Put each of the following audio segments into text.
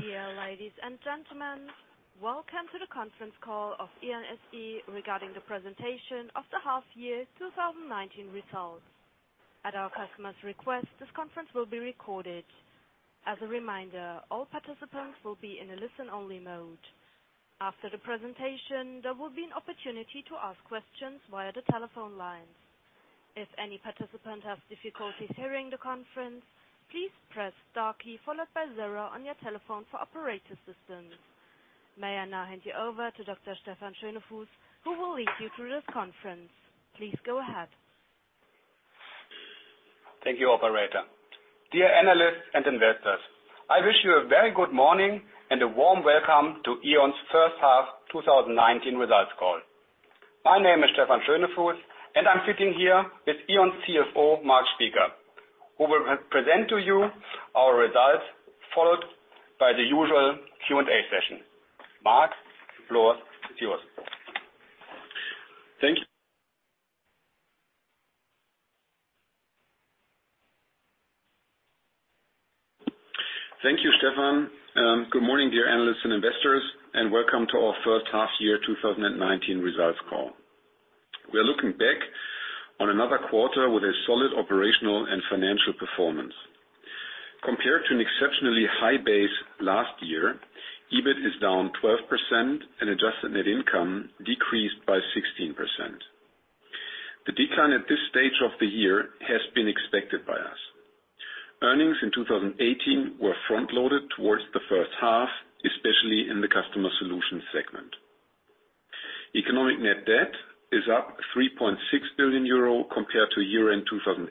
Dear ladies and gentlemen, welcome to the conference call of E.ON SE regarding the presentation of the half year 2019 results. At our customers' request, this conference will be recorded. As a reminder, all participants will be in a listen-only mode. After the presentation, there will be an opportunity to ask questions via the telephone lines. If any participant has difficulties hearing the conference, please press star key followed by zero on your telephone for operator assistance. May I now hand you over to Dr. Stefan Schönefuß, who will lead you through this conference. Please go ahead. Thank you, operator. Dear analysts and investors, I wish you a very good morning and a warm welcome to E.ON's first half 2019 results call. My name is Stefan Schönefuß, and I'm sitting here with E.ON's CFO, Marc Spieker, who will present to you our results, followed by the usual Q&A session. Marc, the floor is yours. Thank you, Stefan. Good morning, dear analysts and investors, and welcome to our first half year 2019 results call. We are looking back on another quarter with a solid operational and financial performance. Compared to an exceptionally high base last year, EBIT is down 12% and adjusted net income decreased by 16%. The decline at this stage of the year has been expected by us. Earnings in 2018 were front-loaded towards the first half, especially in the customer solutions segment. Economic net debt is up 3.6 billion euro compared to year-end 2018,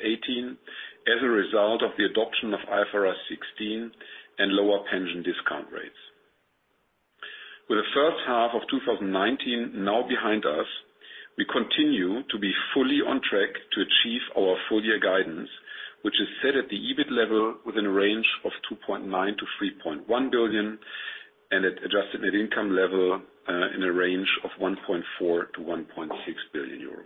as a result of the adoption of IFRS 16 and lower pension discount rates. With the first half of 2019 now behind us, we continue to be fully on track to achieve our full-year guidance, which is set at the EBIT level within a range of 2.9 billion-3.1 billion and at adjusted net income level in a range of 1.4 billion-1.6 billion euro.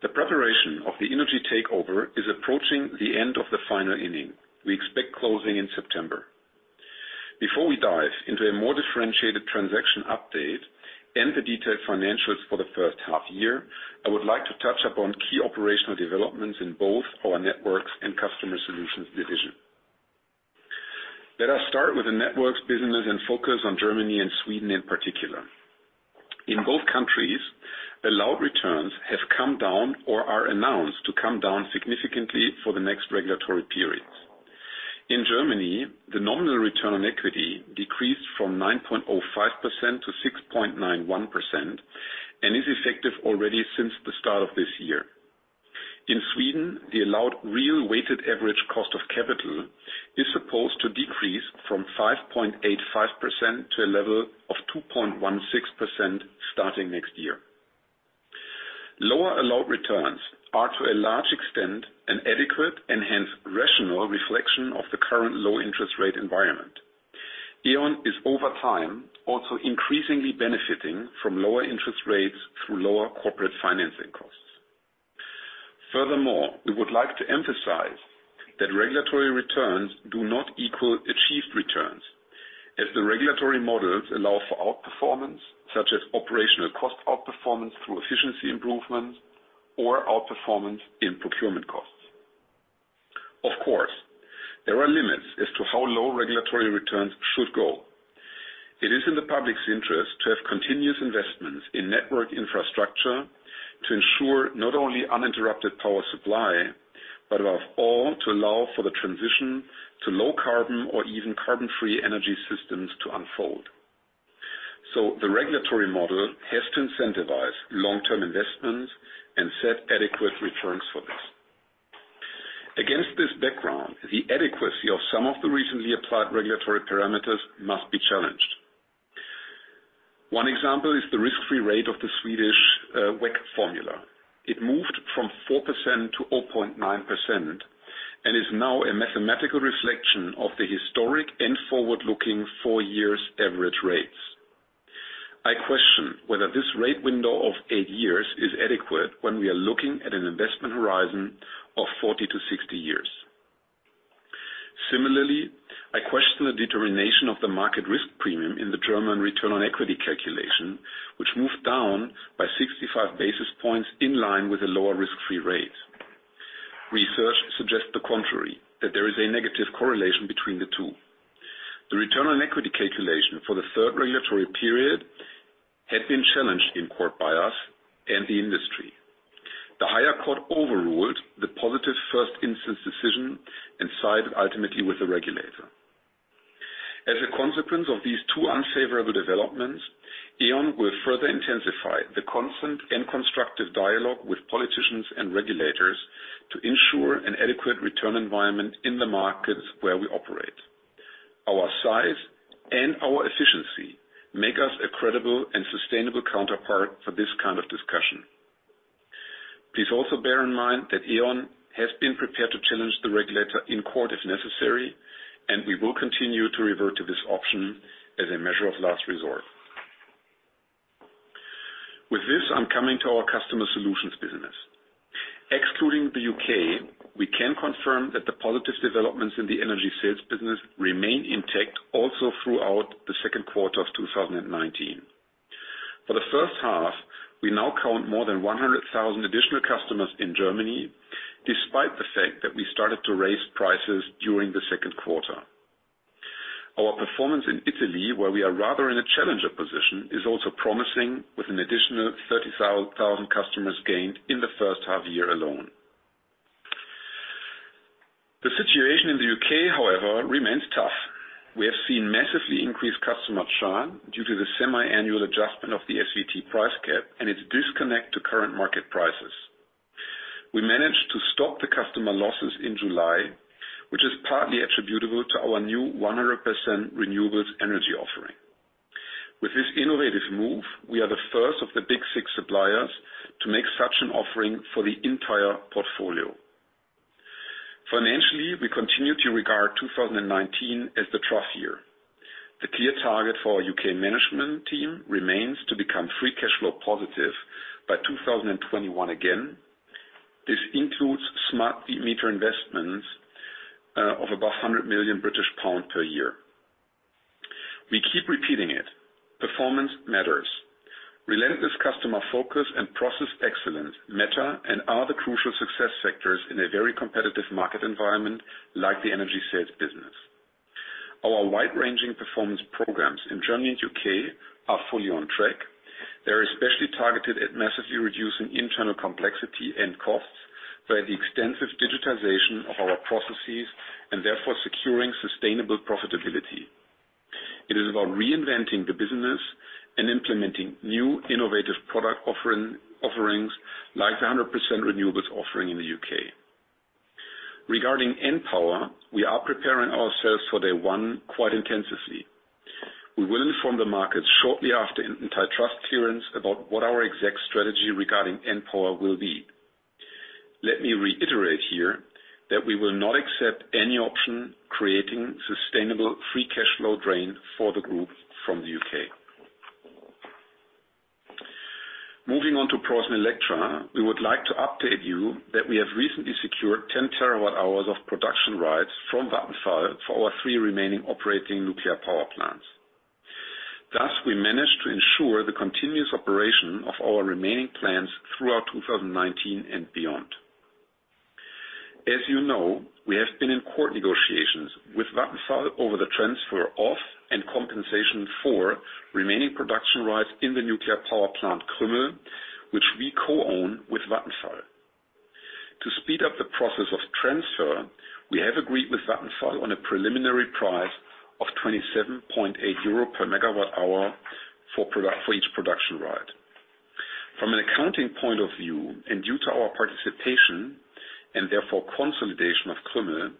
The preparation of the innogy takeover is approaching the end of the final inning. We expect closing in September. Before we dive into a more differentiated transaction update and the detailed financials for the first half year, I would like to touch upon key operational developments in both our networks and customer solutions division. Let us start with the networks business and focus on Germany and Sweden in particular. In both countries, allowed returns have come down or are announced to come down significantly for the next regulatory periods. In Germany, the nominal return on equity decreased from 9.05% to 6.91% and is effective already since the start of this year. In Sweden, the allowed real weighted average cost of capital is supposed to decrease from 5.85% to a level of 2.16% starting next year. Lower allowed returns are to a large extent an adequate and hence rational reflection of the current low interest rate environment. E.ON is over time also increasingly benefiting from lower interest rates through lower corporate financing costs. Furthermore, we would like to emphasize that regulatory returns do not equal achieved returns, as the regulatory models allow for outperformance, such as operational cost outperformance through efficiency improvements or outperformance in procurement costs. Of course, there are limits as to how low regulatory returns should go. It is in the public's interest to have continuous investments in network infrastructure to ensure not only uninterrupted power supply, but above all, to allow for the transition to low carbon or even carbon-free energy systems to unfold. The regulatory model has to incentivize long-term investments and set adequate returns for this. Against this background, the adequacy of some of the recently applied regulatory parameters must be challenged. One example is the risk-free rate of the Swedish WACC formula. It moved from 4% to 0.9% and is now a mathematical reflection of the historic and forward-looking four years average rates. I question whether this rate window of eight years is adequate when we are looking at an investment horizon of 40 to 60 years. Similarly, I question the determination of the market risk premium in the German return on equity calculation, which moved down by 65 basis points in line with a lower risk-free rate. Research suggests the contrary, that there is a negative correlation between the two. The return on equity calculation for the third regulatory period had been challenged in court by us and the industry. The higher court overruled the positive first instance decision and sided ultimately with the regulator. As a consequence of these two unfavorable developments, E.ON will further intensify the constant and constructive dialogue with politicians and regulators to ensure an adequate return environment in the markets where we operate. Our size and our efficiency make us a credible and sustainable counterpart for this kind of discussion. Please also bear in mind that E.ON has been prepared to challenge the regulator in court if necessary, and we will continue to revert to this option as a measure of last resort. With this, I'm coming to our customer solutions business. Excluding the U.K., we can confirm that the positive developments in the energy sales business remain intact, also throughout the second quarter of 2019. For the first half, we now count more than 100,000 additional customers in Germany, despite the fact that we started to raise prices during the second quarter. Our performance in Italy, where we are rather in a challenger position, is also promising with an additional 30,000 customers gained in the first half year alone. The situation in the U.K., however, remains tough. We have seen massively increased customer churn due to the semi-annual adjustment of the SVT price cap and its disconnect to current market prices. We managed to stop the customer losses in July, which is partly attributable to our new 100% renewables energy offering. With this innovative move, we are the first of the Big Six suppliers to make such an offering for the entire portfolio. Financially, we continue to regard 2019 as the trough year. The clear target for our U.K. management team remains to become free cash flow positive by 2021 again. This includes smart meter investments of above 100 million British pound per year. We keep repeating it. Performance matters. Relentless customer focus and process excellence matter and are the crucial success factors in a very competitive market environment like the energy sales business. Our wide-ranging performance programs in Germany and U.K. are fully on track. They're especially targeted at massively reducing internal complexity and costs by the extensive digitization of our processes, and therefore securing sustainable profitability. It is about reinventing the business and implementing new innovative product offerings like the 100% renewables offering in the U.K. Regarding npower, we are preparing ourselves for day one quite intensively. We will inform the market shortly after antitrust clearance about what our exact strategy regarding npower will be. Let me reiterate here that we will not accept any option creating sustainable free cash flow drain for the group from the U.K. Moving on to PreussenElektra, we would like to update you that we have recently secured 10 terawatt-hours of production rights from Vattenfall for our three remaining operating nuclear power plants. Thus, we managed to ensure the continuous operation of our remaining plants throughout 2019 and beyond. As you know, we have been in court negotiations with Vattenfall over the transfer of and compensation for remaining production rights in the nuclear power plant Krümmel, which we co-own with Vattenfall. To speed up the process of transfer, we have agreed with Vattenfall on a preliminary price of 27.8 euro per megawatt hour for each production right. From an accounting point of view, and due to our participation, and therefore consolidation of Krümmel,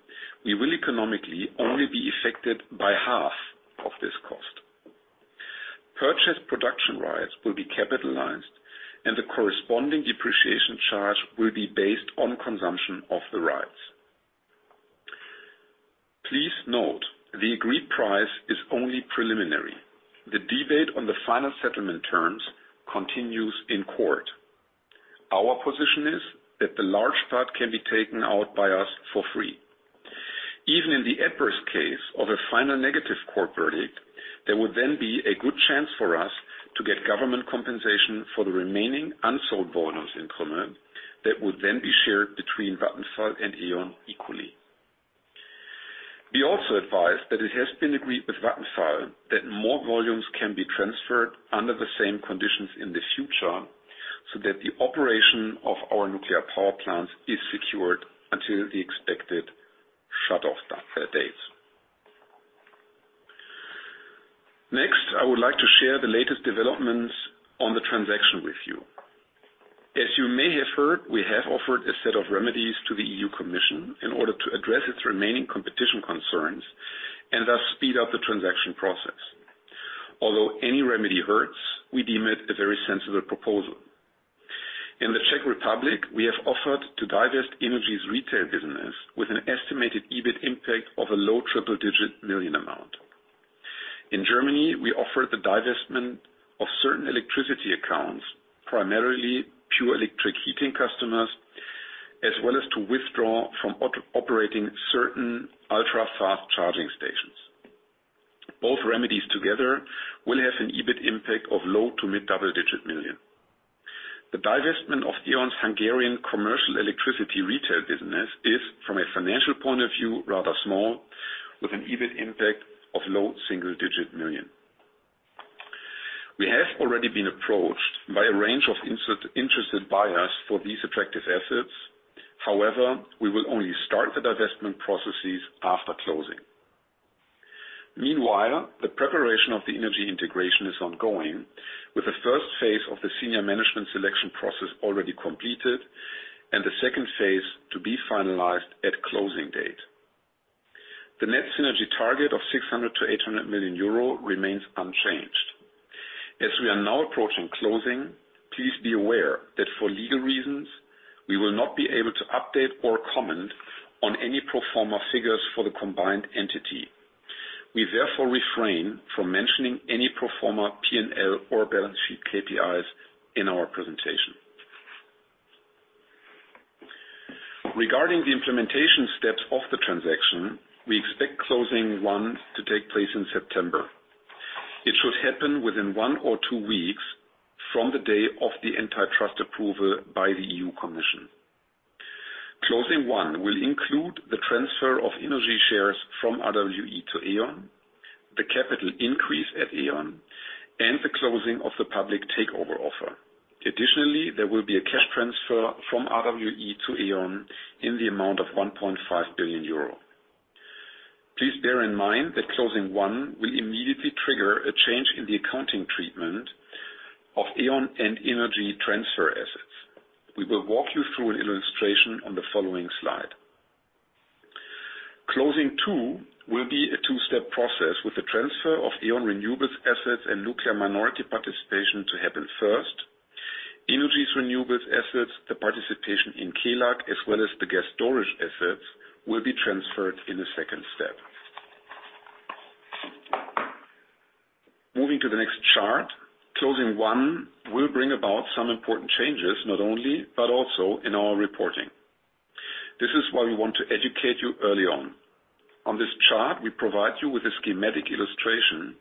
we will economically only be affected by half of this cost. Purchased production rights will be capitalized, and the corresponding depreciation charge will be based on consumption of the rights. Please note, the agreed price is only preliminary. The debate on the final settlement terms continues in court. Our position is that the large part can be taken out by us for free. Even in the adverse case of a final negative court verdict, there would then be a good chance for us to get government compensation for the remaining unsold volumes in Krümmel that would then be shared between Vattenfall and E.ON equally. We also advise that it has been agreed with Vattenfall that more volumes can be transferred under the same conditions in the future, so that the operation of our nuclear power plants is secured until the expected shut-off date. I would like to share the latest developments on the transaction with you. As you may have heard, we have offered a set of remedies to the EU Commission in order to address its remaining competition concerns, and thus speed up the transaction process. Any remedy hurts, we deem it a very sensible proposal. In the Czech Republic, we have offered to divest innogy's retail business with an estimated EBIT impact of a low triple-digit million EUR amount. In Germany, we offered the divestment of certain electricity accounts, primarily pure electric heating customers, as well as to withdraw from operating certain ultra-fast charging stations. Both remedies together will have an EBIT impact of low to mid double-digit million EUR. The divestment of E.ON's Hungarian commercial electricity retail business is, from a financial point of view, rather small, with an EBIT impact of low single-digit million EUR. We have already been approached by a range of interested buyers for these attractive assets. However, we will only start the divestment processes after closing. Meanwhile, the preparation of the energy integration is ongoing, with the phase 1 of the senior management selection process already completed, and the phase 2 to be finalized at closing date. The net synergy target of 600 million-800 million euro remains unchanged. As we are now approaching closing, please be aware that for legal reasons, we will not be able to update or comment on any pro forma figures for the combined entity. We therefore refrain from mentioning any pro forma P&L or balance sheet KPIs in our presentation. Regarding the implementation steps of the transaction, we expect closing one to take place in September. It should happen within one or two weeks from the day of the antitrust approval by the EU Commission. Closing one will include the transfer of innogy shares from RWE to E.ON, the capital increase at E.ON, and the closing of the public takeover offer. Additionally, there will be a cash transfer from RWE to E.ON in the amount of 1.5 billion euro. Please bear in mind that closing one will immediately trigger a change in the accounting treatment of E.ON and innogy transfer assets. We will walk you through an illustration on the following slide. Closing two will be a two-step process with the transfer of E.ON Renewables assets and nuclear minority participation to happen first. innogy's renewables assets, the participation in Kelag, as well as the gas storage assets, will be transferred in the second step. Moving to the next chart, closing one will bring about some important changes, not only, but also in our reporting. This is why we want to educate you early on. On this chart, we provide you with a schematic illustration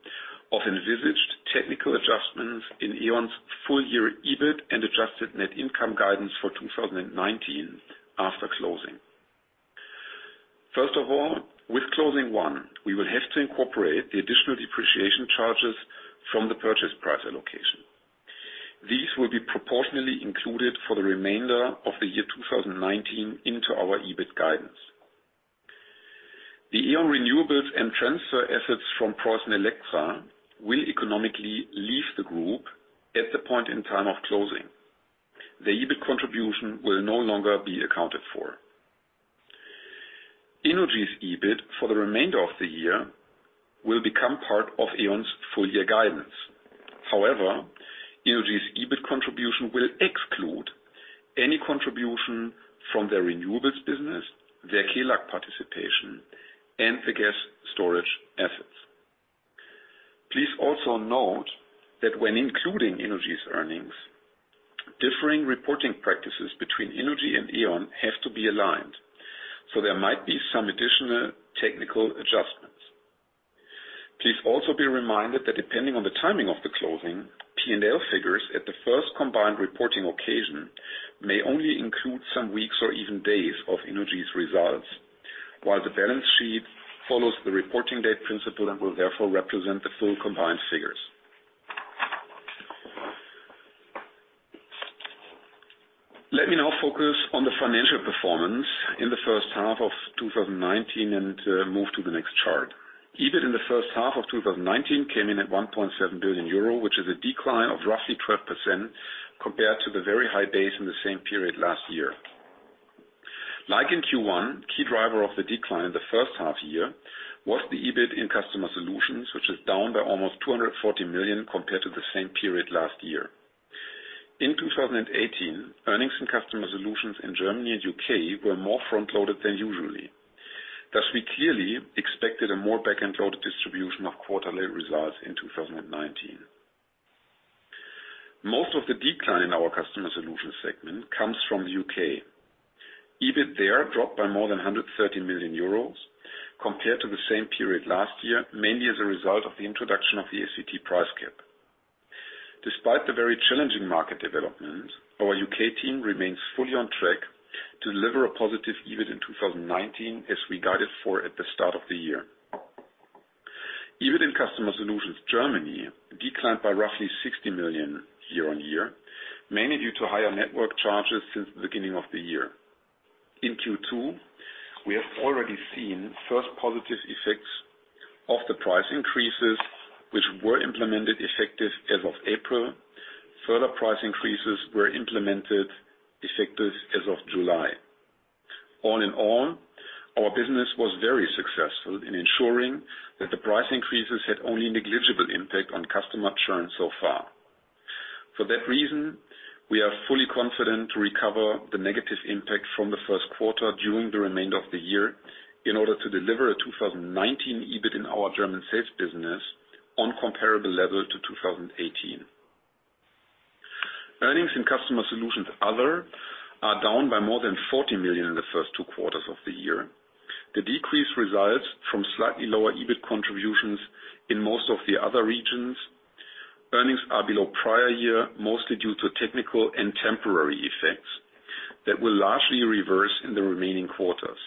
of envisaged technical adjustments in E.ON's full year EBIT and adjusted net income guidance for 2019 after closing. First of all, with closing one, we will have to incorporate the additional depreciation charges from the purchase price allocation. These will be proportionally included for the remainder of the year 2019 into our EBIT guidance. The E.ON renewables and transfer assets from PreussenElektra will economically leave the group at the point in time of closing. The EBIT contribution will no longer be accounted for. Innogy's EBIT for the remainder of the year will become part of E.ON's full-year guidance. However, innogy's EBIT contribution will exclude any contribution from their renewables business, their Kelag participation, and the gas storage assets. Please also note that when including innogy's earnings, differing reporting practices between innogy and E.ON have to be aligned. There might be some additional technical adjustments. Please also be reminded that depending on the timing of the closing, P&L figures at the first combined reporting occasion may only include some weeks or even days of innogy's results, while the balance sheet follows the reporting date principle and will therefore represent the full combined figures. Let me now focus on the financial performance in the first half of 2019 and move to the next chart. EBIT in the first half of 2019 came in at 1.7 billion euro, which is a decline of roughly 12% compared to the very high base in the same period last year. Like in Q1, key driver of the decline in the first half year was the EBIT in customer solutions, which is down by almost 240 million compared to the same period last year. In 2018, earnings and customer solutions in Germany and U.K. were more front-loaded than usually. Thus, we clearly expected a more back-end loaded distribution of quarterly results in 2019. Most of the decline in our customer solution segment comes from the U.K. EBIT there dropped by more than 130 million euros compared to the same period last year, mainly as a result of the introduction of the SVT price cap. Despite the very challenging market developments, our U.K. team remains fully on track to deliver a positive EBIT in 2019 as we guided for at the start of the year. EBIT in customer solutions Germany declined by roughly 60 million year-on-year, mainly due to higher network charges since the beginning of the year. In Q2, we have already seen first positive effects of the price increases, which were implemented effective as of April. Further price increases were implemented effective as of July. All in all, our business was very successful in ensuring that the price increases had only negligible impact on customer churn so far. For that reason, we are fully confident to recover the negative impact from the first quarter during the remainder of the year in order to deliver a 2019 EBIT in our German sales business on comparable level to 2018. Earnings in customer solutions other are down by more than 40 million in the first two quarters of the year. The decrease results from slightly lower EBIT contributions in most of the other regions. Earnings are below prior year, mostly due to technical and temporary effects that will largely reverse in the remaining quarters.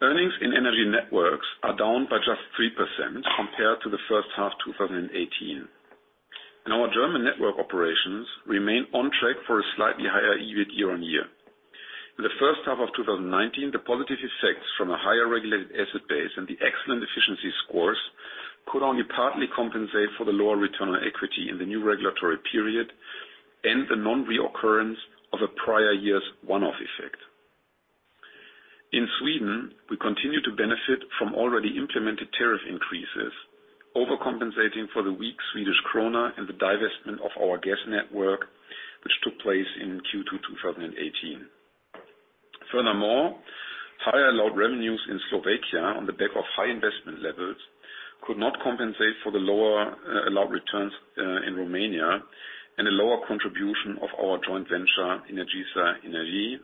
Earnings in energy networks are down by just 3% compared to the first half 2018. Our German network operations remain on track for a slightly higher EBIT year-on-year. In the first half of 2019, the positive effects from a higher regulated asset base and the excellent efficiency scores could only partly compensate for the lower return on equity in the new regulatory period and the non-reoccurrence of a prior year's one-off effect. In Sweden, we continue to benefit from already implemented tariff increases, overcompensating for the weak Swedish krona and the divestment of our gas network, which took place in Q2 2018. Furthermore, higher allowed revenues in Slovakia on the back of high investment levels could not compensate for the lower allowed returns in Romania and a lower contribution of our joint venture, encity.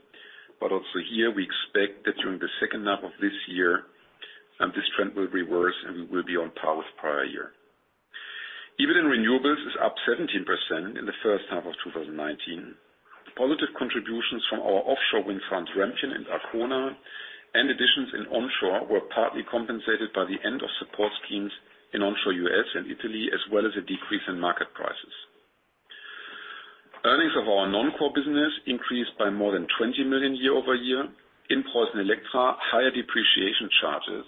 Also here we expect that during the second half of this year, this trend will reverse, and we will be on par with prior year. EBITDA in renewables is up 17% in the first half of 2019. Positive contributions from our offshore wind farms, Rampion and Arkona, and additions in onshore were partly compensated by the end of support schemes in onshore U.S. and Italy, as well as a decrease in market prices. Earnings of our non-core business increased by more than 20 million year-over-year. PreussenElektra, higher depreciation charges,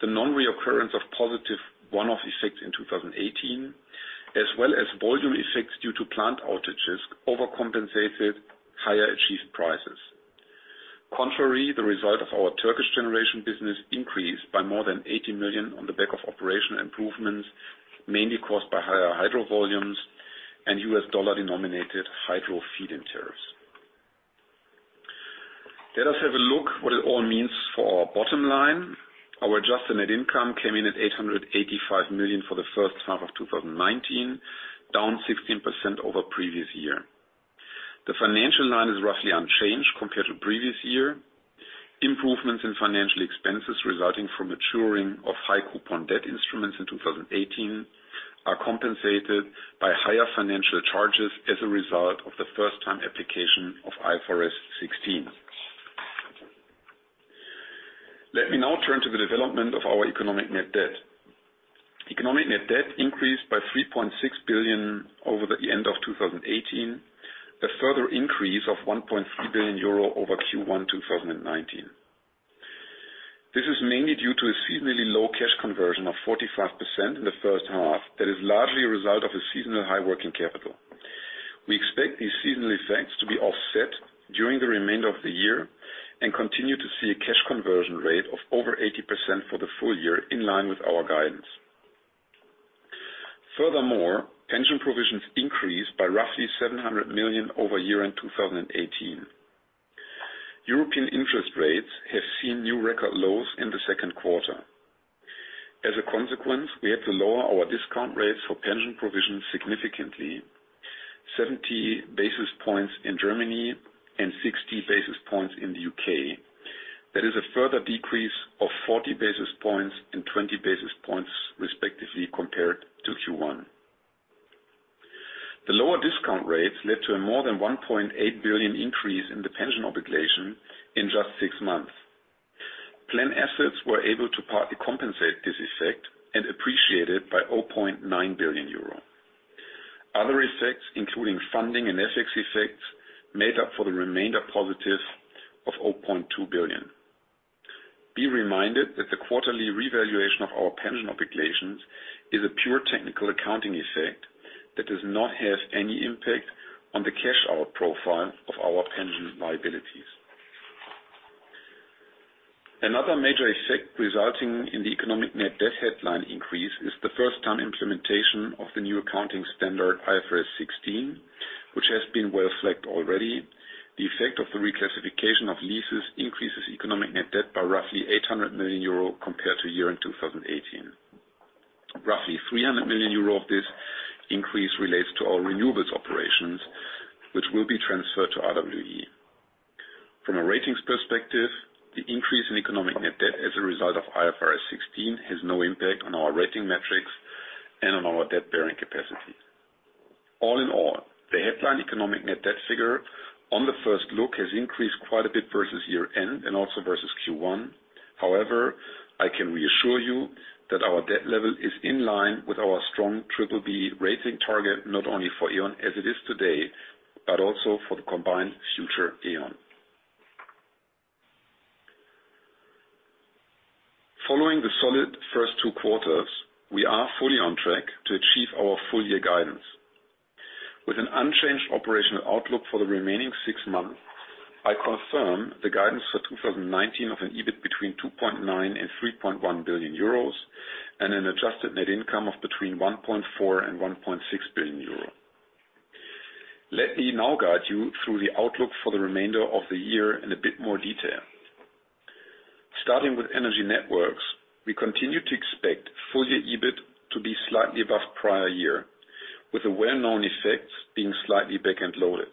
the non-reoccurrence of positive one-off effects in 2018, as well as volume effects due to plant outages overcompensated higher achieved prices. The result of our Turkish generation business increased by more than 80 million on the back of operational improvements, mainly caused by higher hydro volumes and US dollar-denominated hydro feed-in tariffs. Let us have a look what it all means for our bottom line. Our adjusted net income came in at 885 million for the first half of 2019, down 16% over the previous year. The financial line is roughly unchanged compared to the previous year. Improvements in financial expenses resulting from maturing of high coupon debt instruments in 2018 are compensated by higher financial charges as a result of the first-time application of IFRS 16. Let me now turn to the development of our economic net debt. Economic net debt increased by 3.6 billion over the end of 2018, a further increase of 1.3 billion euro over Q1 2019. This is mainly due to a seasonally low cash conversion of 45% in the first half that is largely a result of a seasonal high working capital. We expect these seasonal effects to be offset during the remainder of the year and continue to see a cash conversion rate of over 80% for the full year, in line with our guidance. Furthermore, pension provisions increased by roughly 700 million over year-end 2018. European interest rates have seen new record lows in the second quarter. As a consequence, we had to lower our discount rates for pension provisions significantly, 70 basis points in Germany and 60 basis points in the U.K. That is a further decrease of 40 basis points and 20 basis points respectively compared to Q1. The lower discount rates led to a more than 1.8 billion increase in the pension obligation in just six months. Plan assets were able to partly compensate this effect and appreciated by 8.9 billion euro. Other effects, including funding and FX effects, made up for the remainder positive of 8.2 billion. Be reminded that the quarterly revaluation of our pension obligations is a pure technical accounting effect that does not have any impact on the cash-out profile of our pension liabilities. Another major effect resulting in the economic net debt headline increase is the first-time implementation of the new accounting standard, IFRS 16, which has been well-reflected already. The effect of the reclassification of leases increases economic net debt by roughly 800 million euro compared to year-end 2018. Roughly 300 million euro of this increase relates to our renewables operations, which will be transferred to RWE. From a ratings perspective, the increase in economic net debt as a result of IFRS 16 has no impact on our rating metrics and on our debt-bearing capacity. All in all, the headline economic net debt figure on the first look has increased quite a bit versus year-end and also versus Q1. However, I can reassure you that our debt level is in line with our strong triple B rating target, not only for E.ON as it is today, but also for the combined future E.ON. Following the solid first two quarters, we are fully on track to achieve our full-year guidance. With an unchanged operational outlook for the remaining six months, I confirm the guidance for 2019 of an EBIT between 2.9 billion and 3.1 billion euros and an adjusted net income of between 1.4 billion and 1.6 billion euros. Let me now guide you through the outlook for the remainder of the year in a bit more detail. Starting with energy networks, we continue to expect full-year EBIT to be slightly above prior year, with the well-known effects being slightly back-end loaded.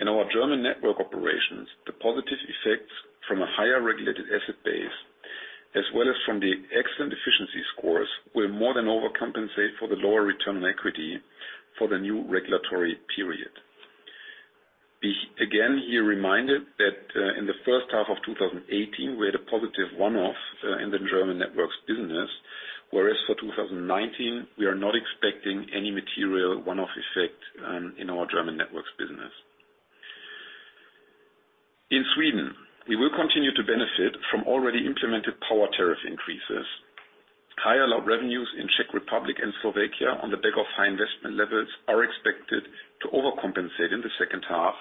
In our German network operations, the positive effects from a higher regulated asset base, as well as from the excellent efficiency scores, will more than overcompensate for the lower return on equity for the new regulatory period. Be, again, here reminded that in the first half of 2018, we had a positive one-off in the German networks business. For 2019, we are not expecting any material one-off effect in our German networks business. In Sweden, we will continue to benefit from already implemented power tariff increases. Higher allowed revenues in Czech Republic and Slovakia on the back of high investment levels are expected to overcompensate in the second half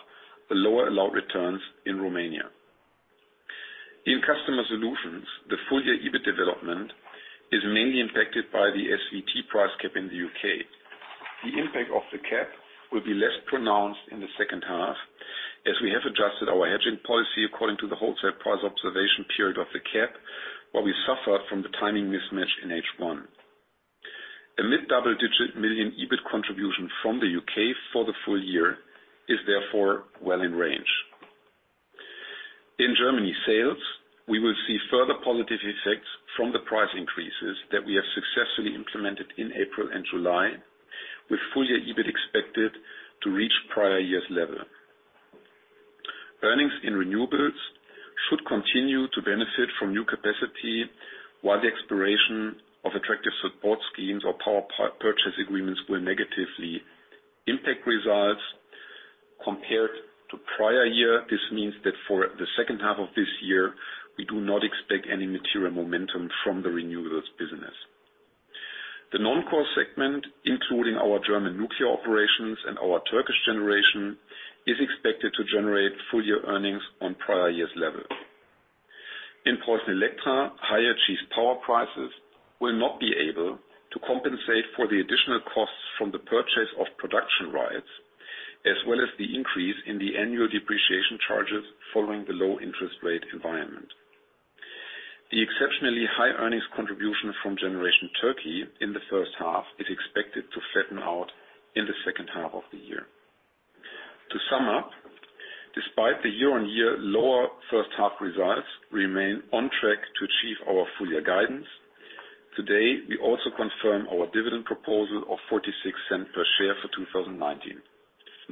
the lower allowed returns in Romania. In customer solutions, the full-year EBIT development is mainly impacted by the SVT price cap in the U.K. The impact of the cap will be less pronounced in the second half, as we have adjusted our hedging policy according to the wholesale price observation period of the cap, while we suffered from the timing mismatch in H1. A EUR mid-double-digit million EBIT contribution from the U.K. for the full year is therefore well in range. In Germany sales, we will see further positive effects from the price increases that we have successfully implemented in April and July, with full-year EBIT expected to reach prior year's level. Earnings in renewables should continue to benefit from new capacity, while the expiration of attractive support schemes or power purchase agreements will negatively impact results. Compared to prior year, this means that for the second half of this year, we do not expect any material momentum from the renewables business. The non-core segment, including our German nuclear operations and our Turkish generation, is expected to generate full-year earnings on prior year's level. In PreussenElektra, higher achieved power prices will not be able to compensate for the additional costs from the purchase of production rights, as well as the increase in the annual depreciation charges following the low interest rate environment. The exceptionally high earnings contribution from Generation Turkey in the first half is expected to flatten out in the second half of the year. To sum up, despite the year-on-year lower first half results, we remain on track to achieve our full-year guidance. Today, we also confirm our dividend proposal of 0.46 per share for 2019.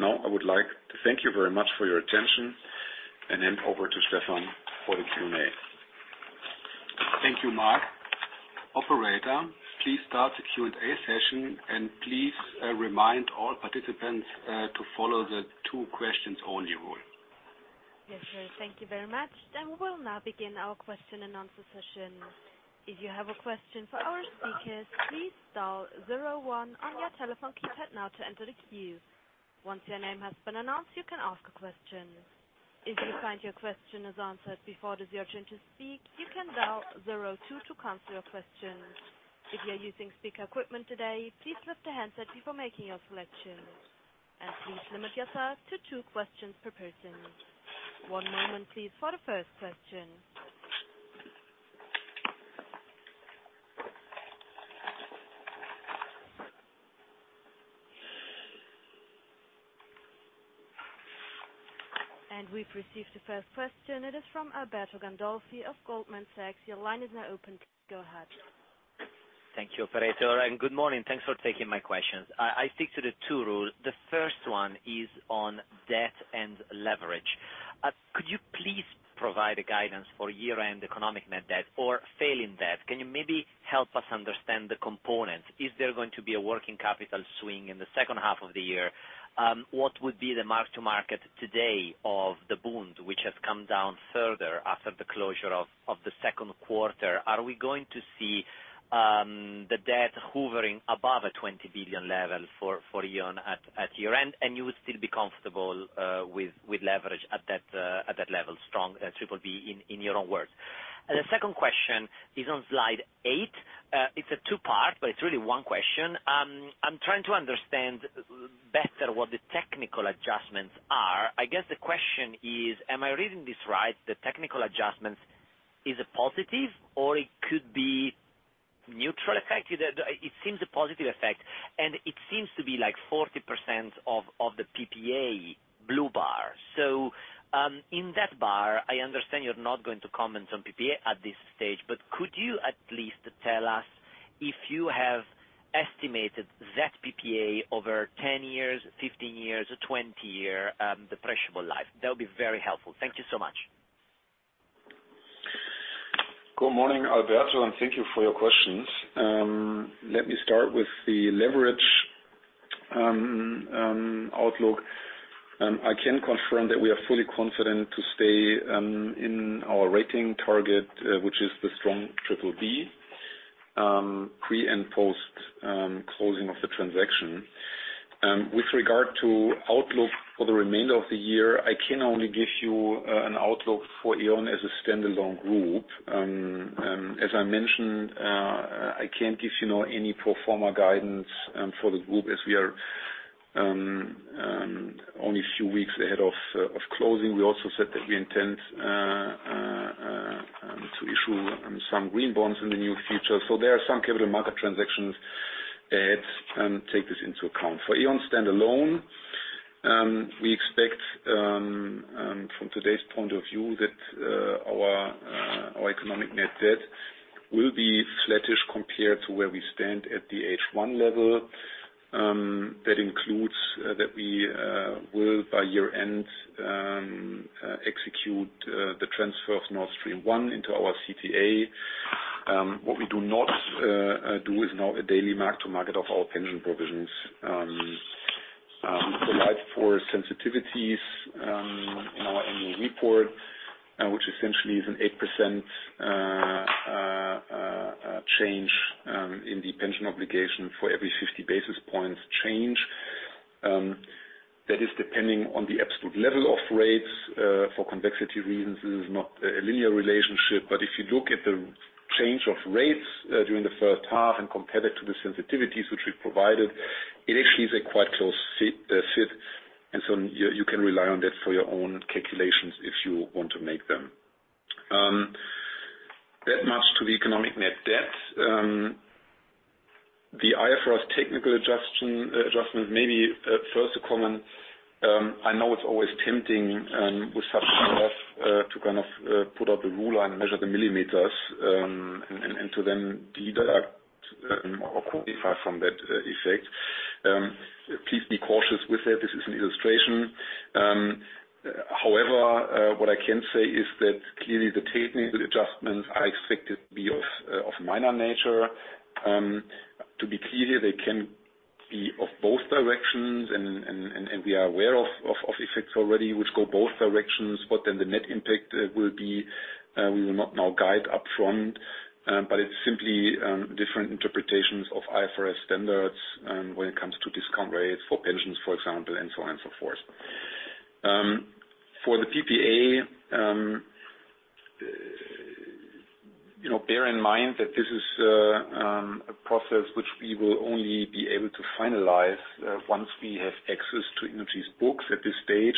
Now, I would like to thank you very much for your attention, and hand over to Stefan for the Q&A. Thank you, Marc. Operator, please start the Q&A session, and please remind all participants to follow the two questions only rule. Yes, sir. Thank you very much. We will now begin our question and answer session. If you have a question for our speakers, please dial zero one on your telephone keypad now to enter the queue. Once your name has been announced, you can ask a question. If you find your question is answered before it is your turn to speak, you can dial zero two to cancel your question. If you are using speaker equipment today, please lift the handset before making your selection. Please limit yourself to two questions per person. One moment please for the first question. We've received the first question. It is from Alberto Gandolfi of Goldman Sachs. Your line is now open. Go ahead. Thank you, operator, and good morning. Thanks for taking my questions. I stick to the two rule. The first one is on debt and leverage. Could you please provide a guidance for year-end economic net debt? Failing that, can you maybe help us understand the components? Is there going to be a working capital swing in the second half of the year? What would be the mark to market today of the bond, which has come down further after the closure of the second quarter? Are we going to see the debt hovering above a 20 billion level for E.ON at year-end, and you would still be comfortable with leverage at that level, strong triple B in your own words? The second question is on slide eight. It's a two-part, it's really one question. I'm trying to understand better what the technical adjustments are. I guess the question is, am I reading this right? The technical adjustments is a positive, or it could be neutral effect? It seems a positive effect, and it seems to be 40% of the PPA blue bar. In that bar, I understand you're not going to comment on PPA at this stage, but could you at least tell us if you have estimated that PPA over 10 years, 15 years, or 20 year, the perishable life? That would be very helpful. Thank you so much. Good morning, Alberto, and thank you for your questions. Let me start with the leverage outlook. I can confirm that we are fully confident to stay in our rating target, which is the strong triple B, pre and post closing of the transaction. With regard to outlook for the remainder of the year, I can only give you an outlook for E.ON as a standalone group. As I mentioned, I can't give you any pro forma guidance for the group as we are only a few weeks ahead of closing. We also said that we intend to issue some green bonds in the near future. There are some capital market transactions ahead, take this into account. For E.ON standalone, we expect, from today's point of view, that our economic net debt will be flattish compared to where we stand at the H1 level. That includes that we will, by year-end, execute the transfer of Nord Stream 1 into our CTA. What we do not do is now a daily mark to market of our pension provisions. We provide for sensitivities in our annual report, which essentially is an 8% change in the pension obligation for every 50 basis points change. That is depending on the absolute level of rates. For convexity reasons, this is not a linear relationship. If you look at the change of rates during the first half and compare that to the sensitivities which we provided, it actually is a quite close fit. You can rely on that for your own calculations if you want to make them. That much to the economic net debt. The IFRS technical adjustment, maybe first a comment. I know it's always tempting with such stuff to put out a rule and measure the millimeters, and to then deduct or qualify from that effect. Please be cautious with that. This is an illustration. What I can say is that clearly the technical adjustments are expected to be of minor nature. To be clear, they can be of both directions and we are aware of effects already which go both directions. What then the net impact will be, we will not now guide upfront. It's simply different interpretations of IFRS standards, when it comes to discount rates for pensions, for example, and so on and so forth. For the PPA, bear in mind that this is a process which we will only be able to finalize once we have access to innogy's books. At this stage,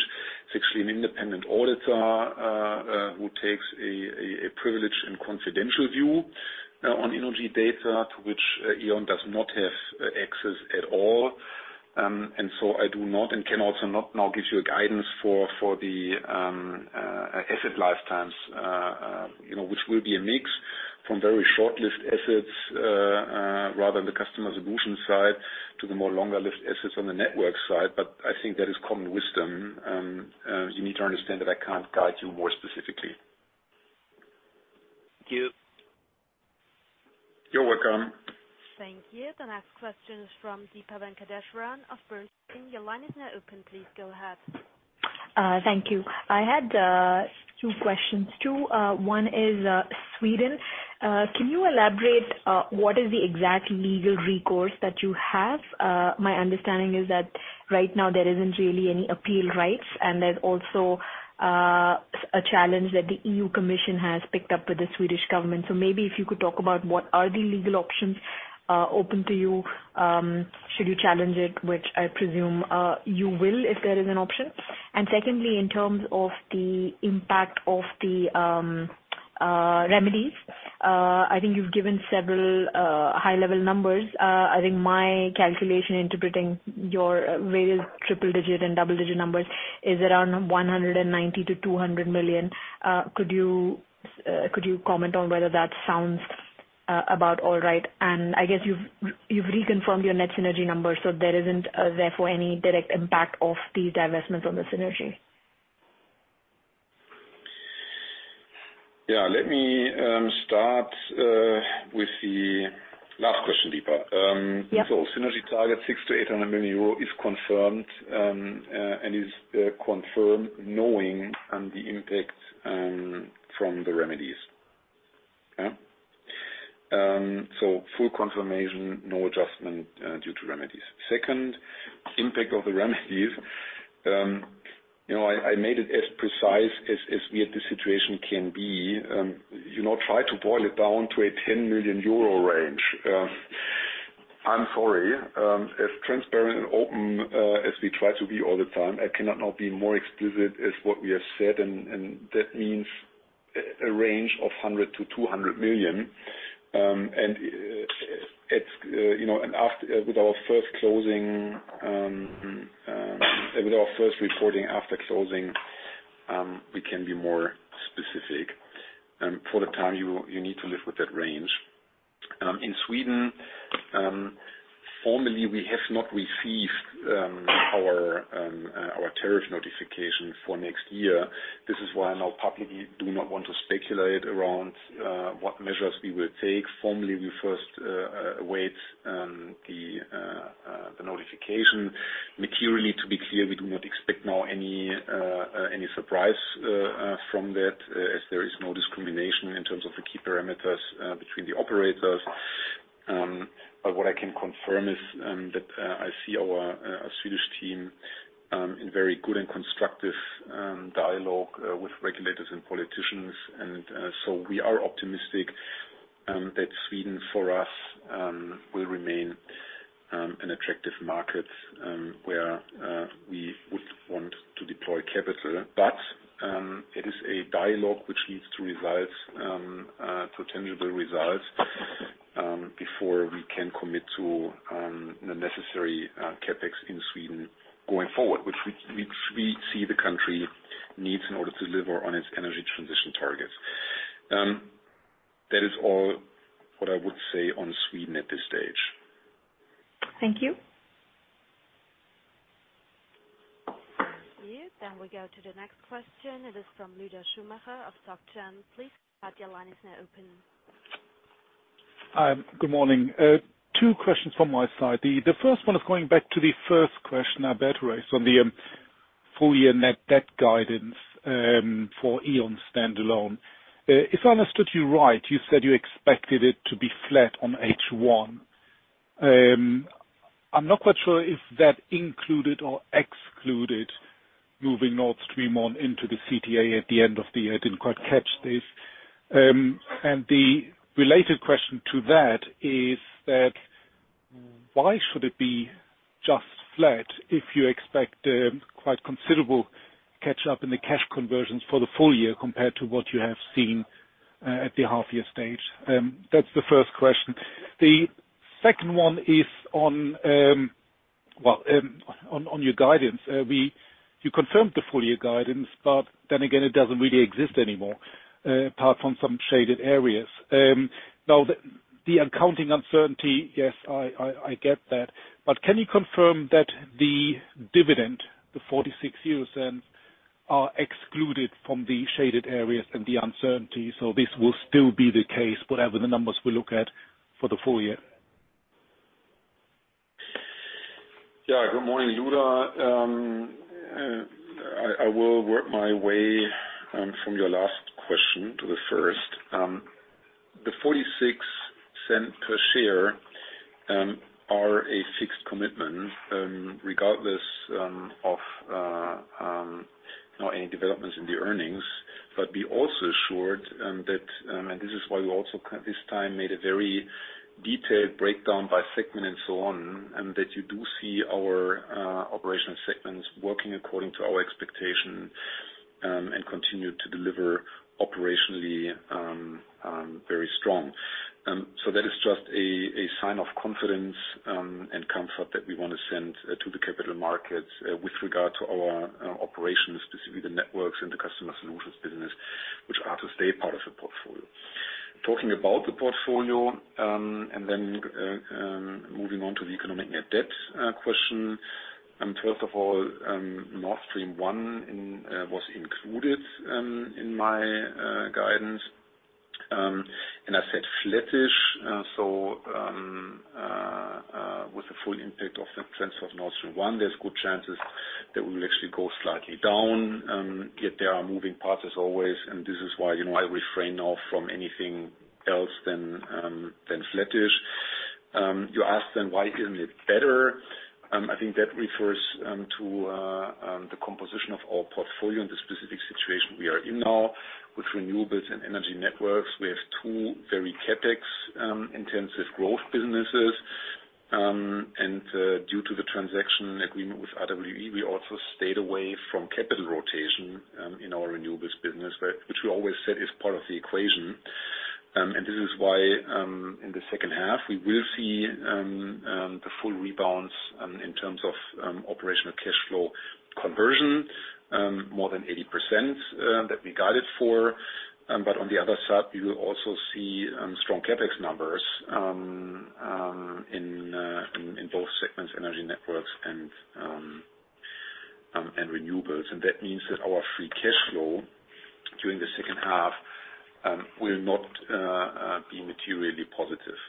it's actually an independent auditor who takes a privileged and confidential view on innogy data to which E.ON does not have access at all. I do not and can also not now give you a guidance for the asset lifetimes, which will be a mix from very short-lived assets, rather on the customer solution side, to the more longer-lived assets on the network side. I think that is common wisdom. You need to understand that I can't guide you more specifically. Thank you. You're welcome. Thank you. The next question is from Deepa Venkateswaran of Bernstein. Your line is now open. Please go ahead. Thank you. I had two questions, too. One is Sweden. Can you elaborate what is the exact legal recourse that you have? My understanding is that right now there isn't really any appeal rights, and there's also a challenge that the European Commission has picked up with the Swedish government. Maybe if you could talk about what are the legal options open to you should you challenge it, which I presume you will, if there is an option. Secondly, in terms of the impact of the remedies, I think you've given several high-level numbers. I think my calculation interpreting your various triple-digit and double-digit numbers is around 190 million-200 million. Could you comment on whether that sounds about all right? I guess you've reconfirmed your net synergy numbers, there isn't therefore any direct impact of the divestment on the synergy. Yeah. Let me start with the last question, Deepa. Yeah. Synergy target 600 million to 800 million euro is confirmed, and is confirmed knowing the impact from the remedies. So full confirmation, no adjustment due to remedies. Second, impact of the remedies. I made it as precise as the situation can be. Try to boil it down to a 10 million euro range. I'm sorry. As transparent and open as we try to be all the time, I cannot not be more explicit as what we have said, and that means a range of 100 million to 200 million. With our first reporting after closing, we can be more specific. For the time, you need to live with that range. In Sweden, formally, we have not received our tariff notification for next year. This is why I now publicly do not want to speculate around what measures we will take. Formally, we first await the notification. Materially, to be clear, we do not expect now any surprise from that, as there is no discrimination in terms of the key parameters between the operators. What I can confirm is that I see our Swedish team in very good and constructive dialogue with regulators and politicians. We are optimistic that Sweden, for us, will remain an attractive market, where we would want to deploy capital. It is a dialogue which leads to tangible results before we can commit to the necessary CapEx in Sweden going forward, which we see the country needs in order to deliver on its energy transition targets. That is all what I would say on Sweden at this stage. Thank you. Thank you. We go to the next question. It is from Lueder Schumacher of SocGen. Please, your line is now open. Hi. Good morning. Two questions from my side. The first one is going back to the first question about rates on the full-year net debt guidance for E.ON standalone. If I understood you right, you said you expected it to be flat on H1. I'm not quite sure if that included or excluded moving Nord Stream on into the CTA at the end of the year. I didn't quite catch this. The related question to that is that why should it be just flat if you expect quite considerable catch-up in the cash conversions for the full year compared to what you have seen at the half-year stage? That's the first question. The second one is on your guidance. You confirmed the full-year guidance, but then again, it doesn't really exist anymore, apart from some shaded areas. Now, the accounting uncertainty, yes, I get that. Can you confirm that the dividend, the 0.46, are excluded from the shaded areas and the uncertainty? This will still be the case whatever the numbers we look at for the full year. Good morning, Lueder. I will work my way from your last question to the first. The 0.46 per share are a fixed commitment, regardless of any developments in the earnings. Be also assured, and this is why we also this time made a very detailed breakdown by segment and so on, that you do see our operational segments working according to our expectation, and continue to deliver operationally very strong. That is just a sign of confidence and comfort that we want to send to the capital markets with regard to our operations, specifically the networks and the customer solutions business, which are to stay part of the portfolio. Talking about the portfolio, and then moving on to the economic net debt question. First of all, Nord Stream 1 was included in my guidance. I said flattish. With the full impact of the sale of Nord Stream 1, there's good chances that we will actually go slightly down. Yet there are moving parts as always, and this is why I refrain now from anything else than flattish. You asked then why isn't it better? I think that refers to the composition of our portfolio and the specific situation we are in now. With renewables and energy networks, we have two very CapEx-intensive growth businesses. Due to the transaction agreement with RWE, we also stayed away from capital rotation in our renewables business, which we always said is part of the equation. This is why in the second half we will see the full rebounds in terms of operational cash flow conversion, more than 80% that we guided for. On the other side, you will also see strong CapEx numbers in both segments, energy networks and renewables. That means that our free cash flow during the second half will not be materially positive.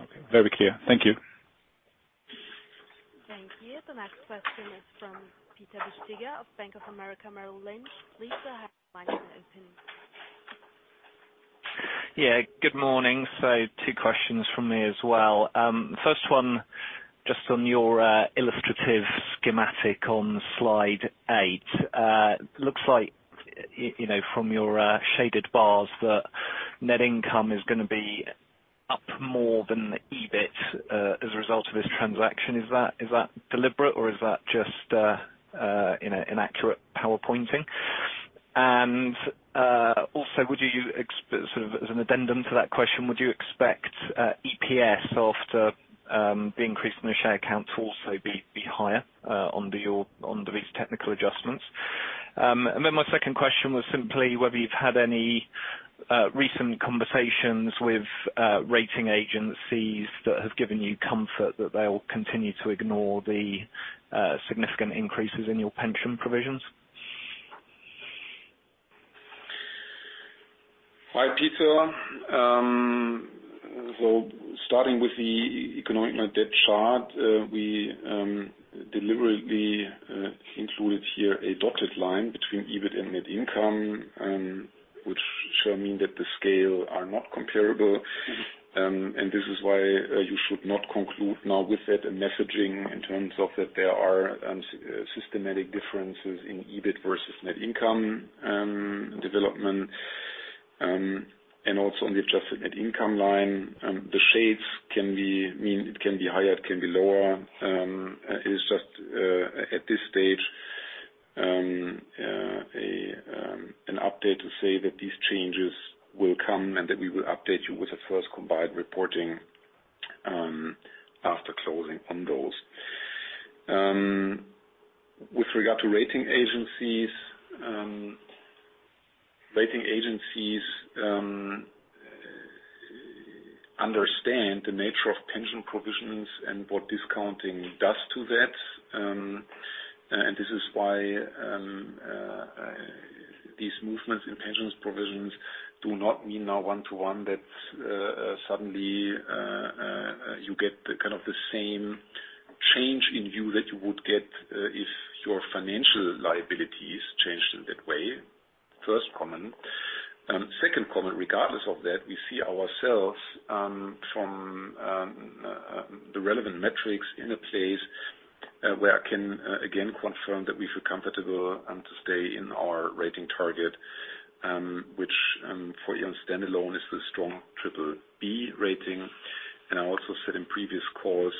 Okay. Very clear. Thank you. Thank you. The next question is from Peter Bisztyga of Bank of America Merrill Lynch. Peter, have your line open. Yeah, good morning. Two questions from me as well. First one, just on your illustrative schematic on Slide eight. Looks like from your shaded bars that net income is going to be up more than the EBIT as a result of this transaction. Is that deliberate or is that just inaccurate PowerPointing? Also, as an addendum to that question, would you expect EPS after the increase in the share count to also be higher under these technical adjustments? My second question was simply whether you've had any recent conversations with rating agencies that have given you comfort that they will continue to ignore the significant increases in your pension provisions. Hi, Peter. Starting with the economic net debt chart. We deliberately included here a dotted line between EBIT and net income, which shall mean that the scale are not comparable. This is why you should not conclude now with that a messaging in terms of that there are systematic differences in EBIT versus net income development. Also on the adjusted net income line, the shades can be higher, can be lower. It is just at this stage, an update to say that these changes will come and that we will update you with the first combined reporting after closing on those. With regard to rating agencies. Rating agencies understand the nature of pension provisions and what discounting does to that. This is why these movements in pensions provisions do not mean now one-to-one that suddenly you get the same change in you that you would get if your financial liabilities changed in that way. First comment. Second comment, regardless of that, we see ourselves from the relevant metrics in a place where I can again confirm that we feel comfortable to stay in our rating target, which for E.ON standalone is the strong triple B rating. I also said in previous calls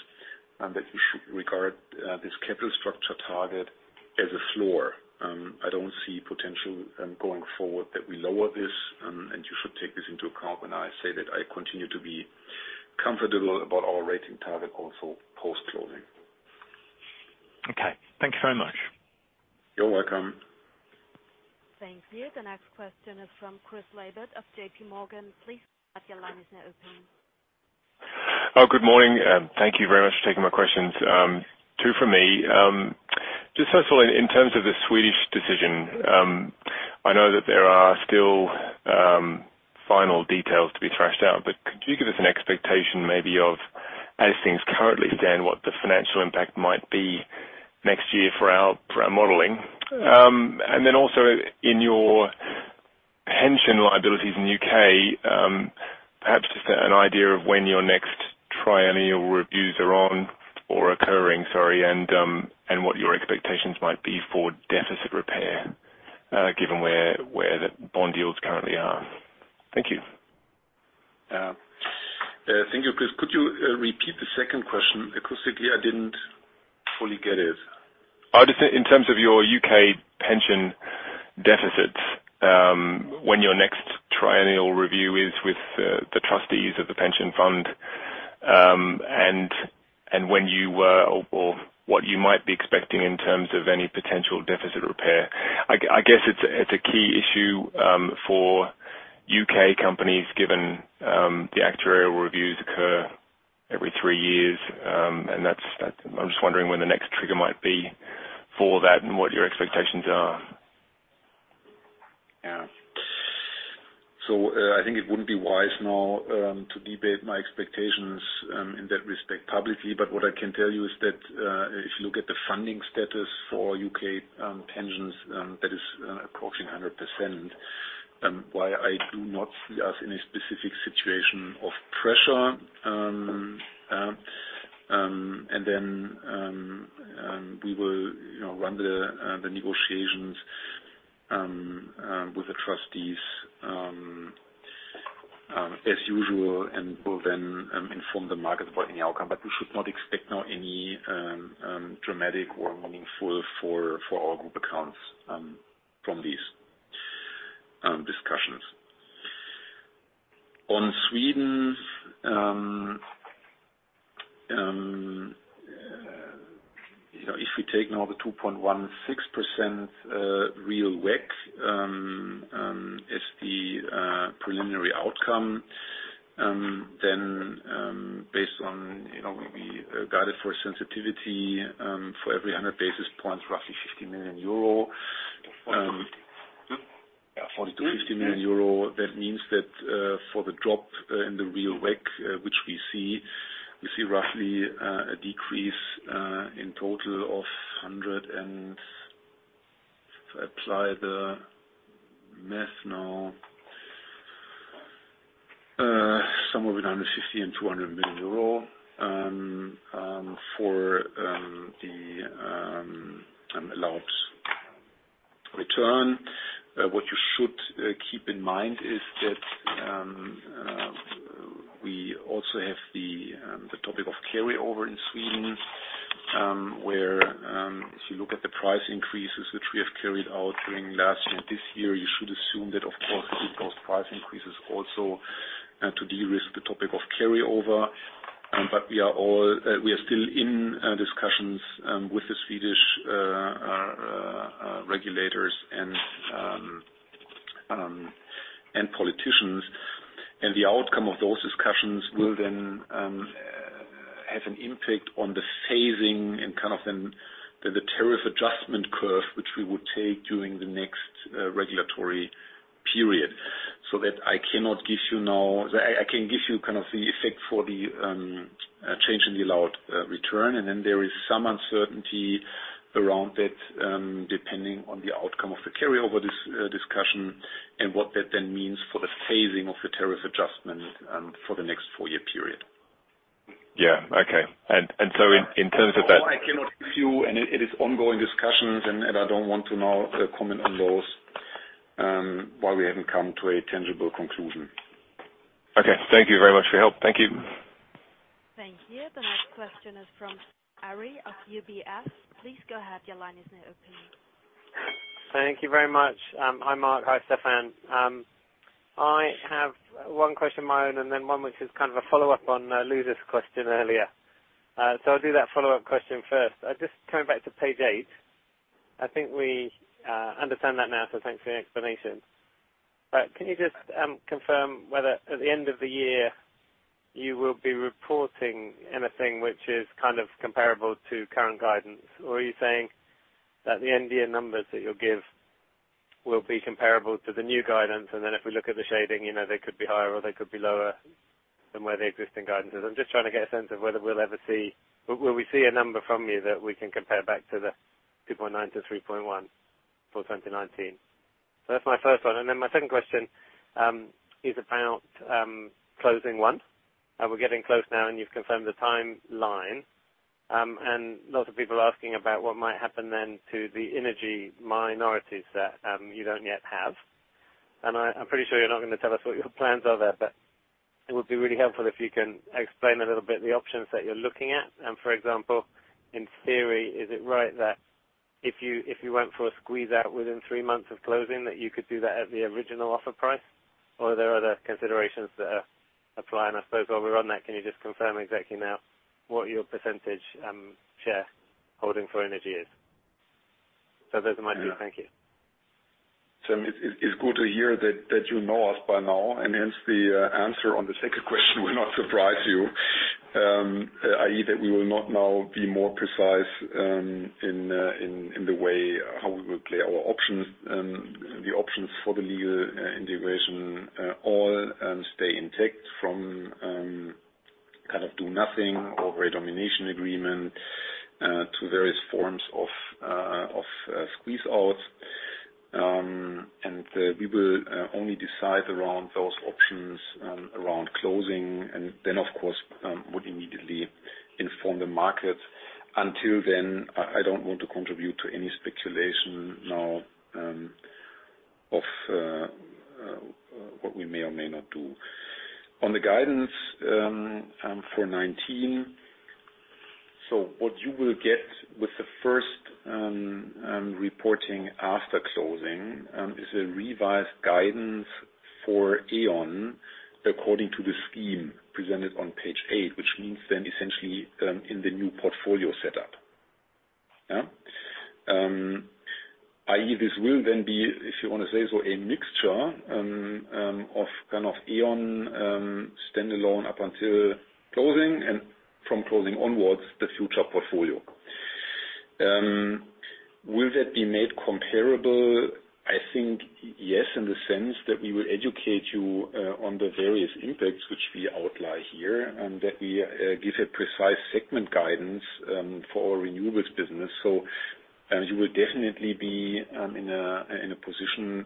that you should regard this capital structure target as a floor. I don't see potential going forward that we lower this, and you should take this into account when I say that I continue to be comfortable about our rating target also post-closing. Okay. Thank you very much. You're welcome. Thank you. The next question is from Chris Laybert of JP Morgan. Please go ahead, your line is now open. Good morning. Thank you very much for taking my questions. Two from me. Just first of all, in terms of the Swedish decision. I know that there are still final details to be thrashed out, but could you give us an expectation maybe of, as things currently stand, what the financial impact might be next year for our modeling? Also in your pension liabilities in the U.K., perhaps just an idea of when your next triennial reviews are on or occurring, sorry, and what your expectations might be for deficit repair, given where the bond yields currently are. Thank you. Thank you, Chris. Could you repeat the second question? Acoustically, I didn't fully get it. Just in terms of your U.K. pension deficits, when your next triennial review is with the trustees of the pension fund, and what you might be expecting in terms of any potential deficit repair. I guess it's a key issue for U.K. companies, given the actuarial reviews occur every three years. I'm just wondering when the next trigger might be for that and what your expectations are. Yeah. I think it wouldn't be wise now to debate my expectations in that respect publicly. What I can tell you is that if you look at the funding status for U.K. pensions that is approaching 100%, why I do not see us in a specific situation of pressure. Then we will run the negotiations with the trustees as usual and will then inform the market about any outcome. We should not expect now any dramatic or meaningful for our group accounts from these discussions. On Sweden, if we take now the 2.16% real WACC as the preliminary outcome, then based on what we guided for sensitivity for every 100 basis points, roughly 40-50 million euro. That means that for the drop in the real WACC which we see, we see roughly a decrease in total of 100 and-- If I apply the math now, somewhere between EUR 150-200 million for the allowed return. What you should keep in mind is that we also have the topic of carryover in Sweden, where if you look at the price increases which we have carried out during last and this year, you should assume that, of course, we post price increases also to de-risk the topic of carryover. We are still in discussions with the Swedish regulators and politicians. The outcome of those discussions will then have an impact on the phasing and the tariff adjustment curve, which we would take during the next regulatory period. That I can give you the effect for the change in the allowed return, and then there is some uncertainty around it, depending on the outcome of the carryover discussion and what that then means for the phasing of the tariff adjustment for the next four-year period. Yeah. Okay. No, I cannot give you, and it is ongoing discussions, and I don't want to now comment on those while we haven't come to a tangible conclusion. Okay. Thank you very much for your help. Thank you. Thank you. The next question is from Arie of UBS. Please go ahead. Your line is now open. Thank you very much. Hi, Marc. Hi, Stefan. I have one question of my own and then one which is kind of a follow-up on Lueder's question earlier. I'll do that follow-up question first. Just coming back to page eight. I think we understand that now, so thanks for your explanation. Can you just confirm whether at the end of the year, you will be reporting anything which is comparable to current guidance, or are you saying that the end year numbers that you'll give will be comparable to the new guidance, and then if we look at the shading, they could be higher or they could be lower than where the existing guidance is? I'm just trying to get a sense of whether we'll ever see, will we see a number from you that we can compare back to the 2.9-3.1 for 2019? That's my first one. Then my second question, is about closing, one. Lots of people are asking about what might happen then to the innogy minorities that you don't yet have. I'm pretty sure you're not going to tell us what your plans are there, but it would be really helpful if you can explain a little bit the options that you're looking at. For example, in theory, is it right that if you went for a squeeze out within 3 months of closing, that you could do that at the original offer price? Are there other considerations that apply? I suppose while we're on that, can you just confirm exactly now what your percentage shareholding for innogy is? Those are my two. Thank you. Sam, it's good to hear that you know us by now. Hence, the answer on the second question will not surprise you. I.E., that we will not now be more precise in the way how we will play our options. The options for the legal integration all stay intact from do nothing or redomination agreement, to various forms of squeeze out. We will only decide around those options around closing and then, of course, would immediately inform the market. Until then, I don't want to contribute to any speculation now of what we may or may not do. On the guidance for 2019, what you will get with the first reporting after closing is a revised guidance for E.ON according to the scheme presented on page eight, which means then essentially in the new portfolio setup. i.e., this will then be, if you want to say so, a mixture of E.ON standalone up until closing, and from closing onwards, the future portfolio. Will that be made comparable? I think yes, in the sense that we will educate you on the various impacts which we outline here, and that we give a precise segment guidance for our renewables business. You will definitely be in a position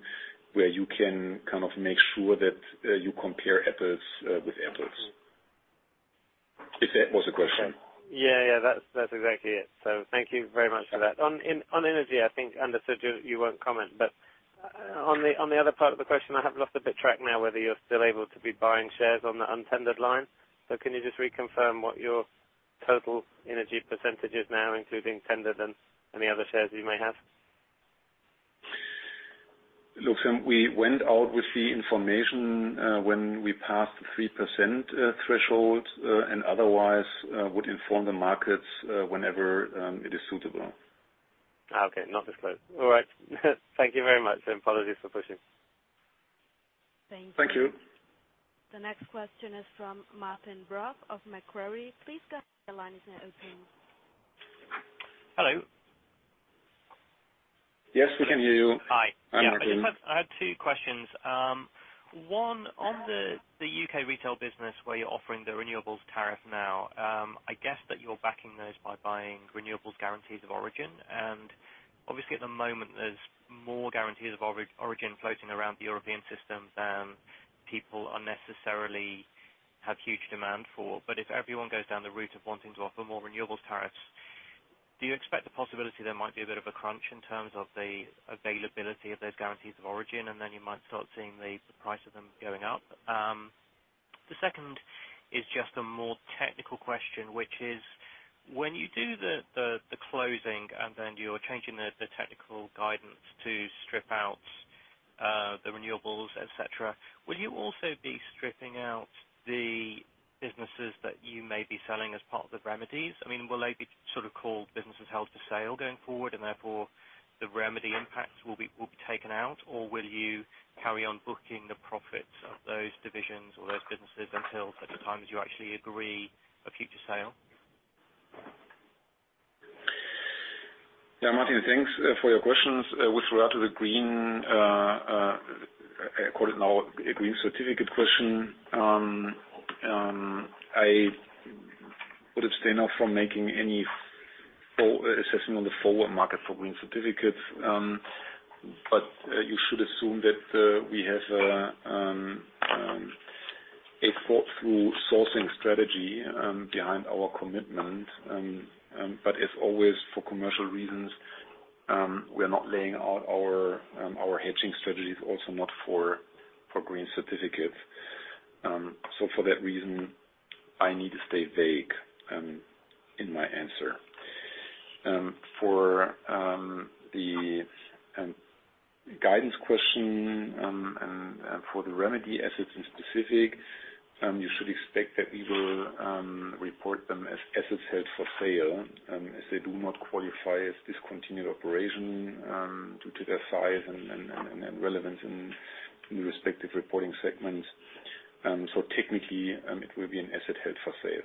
where you can make sure that you compare apples with apples. If that was the question. Yeah. That's exactly it. Thank you very much for that. On innogy, I think, understood you won't comment. On the other part of the question, I have lost a bit of track now whether you're still able to be buying shares on the untendered line. Can you just reconfirm what your total innogy percentage is now, including tendered and any other shares you may have? Look, Sam, we went out with the information when we passed the 3% threshold, and otherwise, would inform the markets whenever it is suitable. Okay. Not disclosed. All right. Thank you very much, and apologies for pushing. Thank you. The next question is from Martin Brough of Macquarie. Please go ahead, the line is now open. Hello. Yes, we can hear you. Hi. Hi, Martin. Yeah. I just have two questions. One, on the U.K. retail business where you're offering the renewables tariff now, I guess that you're backing those by buying renewables guarantees of origin. Obviously, at the moment, there's more guarantees of origin floating around the European system than people unnecessarily have huge demand for. If everyone goes down the route of wanting to offer more renewables tariffs, do you expect the possibility there might be a bit of a crunch in terms of the availability of those guarantees of origin, and then you might start seeing the price of them going up? The second is just a more technical question, which is, when you do the closing and then you're changing the technical guidance to strip out the renewables, et cetera, will you also be stripping out the businesses that you may be selling as part of the remedies? Will they be called businesses held for sale going forward, and therefore the remedy impacts will be taken out? Will you carry on booking the profits of those divisions or those businesses until such a time as you actually agree a future sale? Martin, thanks for your questions. With regard to the green, I call it now a green certificate question. I would abstain now from making any assessment on the forward market for green certificates. You should assume that we have a thought-through sourcing strategy behind our commitment. As always, for commercial reasons, we are not laying out our hedging strategies also not for green certificates. For that reason, I need to stay vague in my answer. For the guidance question, and for the remedy assets in specific, you should expect that we will report them as assets held for sale, as they do not qualify as discontinued operation due to their size and relevance in the respective reporting segments. Technically, it will be an asset held for sale.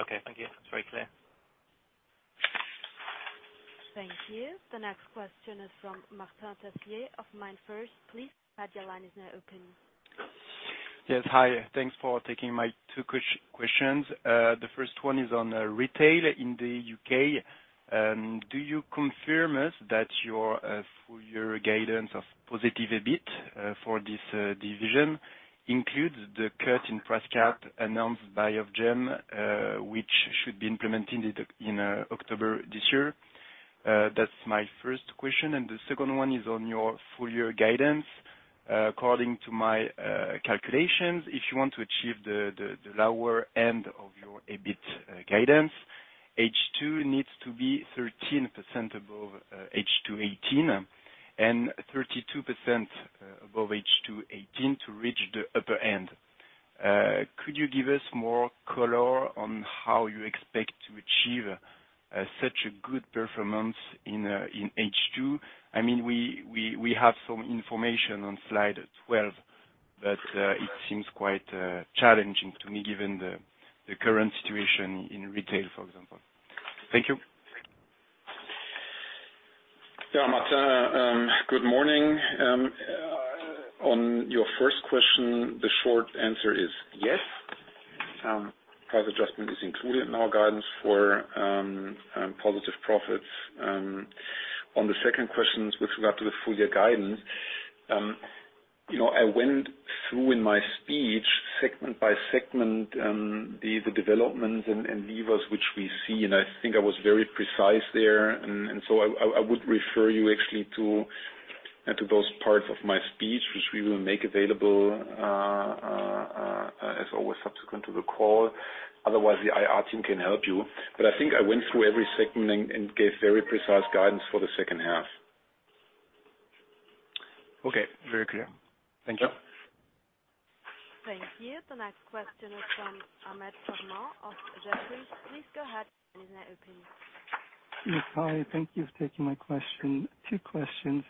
Okay. Thank you. It's very clear. Thank you. The next question is from Vincent Tassa of MainFirst. Please, had your line is now open. Yes. Hi. Thanks for taking my two questions. The first one is on retail in the U.K. Do you confirm us that your full-year guidance of positive EBIT for this division includes the cut in price cap announced by Ofgem, which should be implemented in October this year? That's my first question. The second one is on your full-year guidance. According to my calculations, if you want to achieve the lower end of your EBIT guidance, H2 needs to be 13% above H2 2018 and 32% above H2 2018 to reach the upper end. Could you give us more color on how you expect to achieve such a good performance in H2? We have some information on slide 12, but it seems quite challenging to me given the current situation in retail, for example. Thank you. Yeah, Martin. Good morning. On your first question, the short answer is yes. Price adjustment is included in our guidance for positive profits. On the second question with regard to the full-year guidance, I went through in my speech segment by segment, the developments and levers which we see, and I think I was very precise there. I would refer you actually to those parts of my speech, which we will make available as always subsequent to the call. Otherwise, the IR team can help you. I think I went through every segment and gave very precise guidance for the second half. Okay. Very clear. Thank you. Thank you. The next question is from Ahmed Farman of Jefferies. Please go ahead. Your line is now open. Yes. Hi. Thank you for taking my question. Two questions.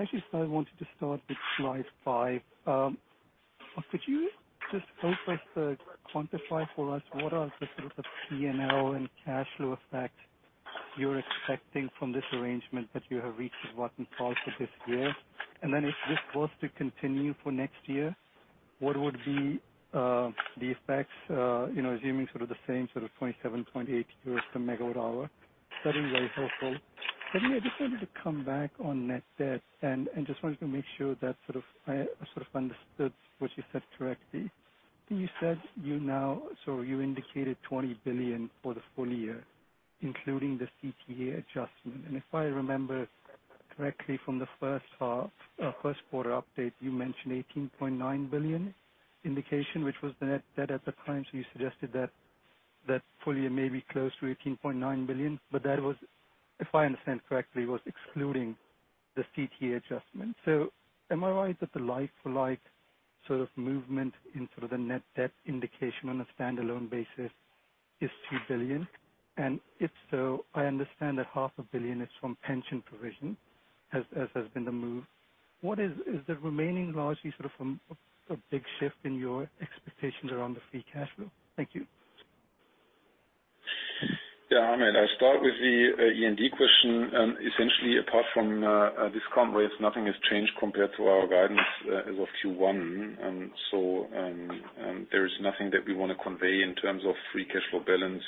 Actually, I wanted to start with slide five. Could you just help us quantify for us what are the sort of P&L and cash flow effect you're expecting from this arrangement that you have reached with Vattenfall for this year? If this was to continue for next year, what would be the effects assuming sort of the same sort of 27.8 euros per megawatt hour? That'd be very helpful. I just wanted to come back on net debt and just wanted to make sure that I understood what you said correctly. You indicated 20 billion for the full year, including the CTA adjustment. If I remember correctly from the first quarter update, you mentioned 18.9 billion indication, which was the net debt at the time. You suggested that full year may be close to 18.9 billion, but that was, if I understand correctly, excluding the CTA adjustment. Am I right that the like movement in sort of the net debt indication on a standalone basis is 2 billion? If so, I understand that half a billion EUR is from pension provision, as has been the move. Is the remaining largely sort of from a big shift in your expectations around the free cash flow? Thank you. Yeah. Ahmed, I'll start with the E&D question. Essentially, apart from discount rates, nothing has changed compared to our guidance as of Q1. There is nothing that we want to convey in terms of free cash flow balance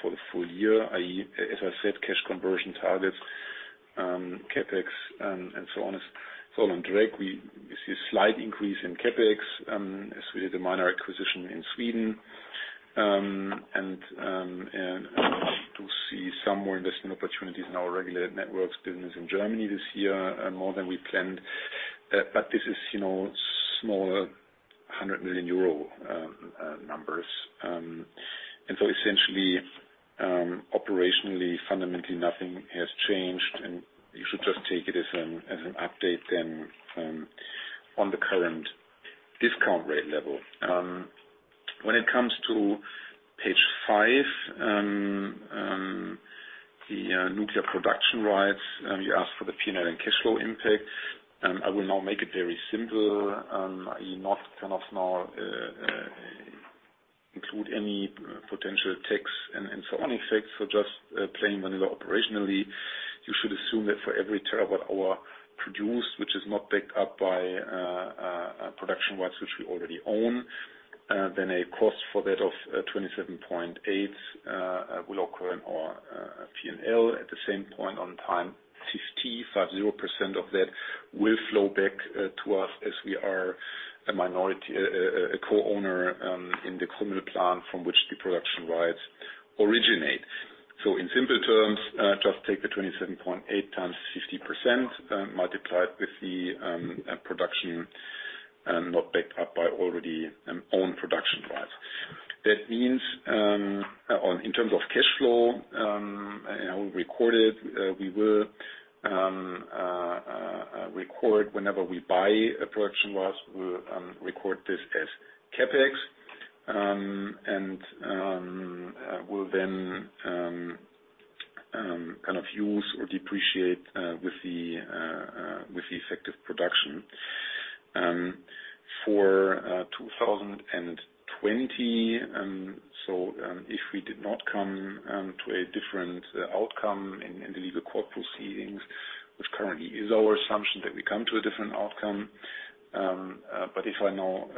for the full year, i.e., as I said, cash conversion targets, CapEx, and so on is all on track. We see a slight increase in CapEx, as we did a minor acquisition in Sweden. To see some more investment opportunities in our regulated networks business in Germany this year, more than we planned. This is smaller, EUR 100 million numbers. Essentially, operationally, fundamentally, nothing has changed, and you should just take it as an update then on the current discount rate level. When it comes to page five, the nuclear production rights, you asked for the P&L and cash flow impact. I will now make it very simple, i.e., not cannot now include any potential takes and so on effects. Just plain vanilla operationally, you should assume that for every terawatt hour produced, which is not backed up by production rights which we already own, then a cost for that of 27.8 will occur in our P&L. At the same point on time, 50% of that will flow back to us as we are a co-owner in the Krümmel plant from which the production rights originate. In simple terms, just take the 27.8 times 50% multiplied with the production not backed up by already own production rights. That means, in terms of cash flow, we will record whenever we buy a production loss. We'll record this as CapEx, we'll then use or depreciate with the effective production. For 2020, if we did not come to a different outcome in the legal court proceedings, which currently is our assumption that we come to a different outcome. If I now